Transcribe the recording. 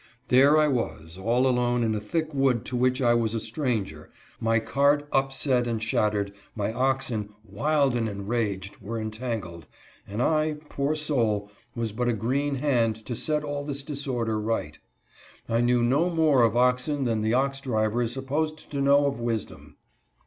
There I was, all alone in a thick wood to which I was a stranger ; my cart upset and shattered, my oxen, wild and enraged, were entangled, and I, poor soul, was but a green hand to set all this disorder right. I knew no more of oxen than the ox driver is supposed to know of wisdom.